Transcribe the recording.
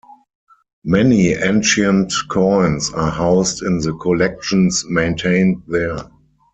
Many ancient coins are housed in the collections maintained there.